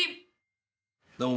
どうも。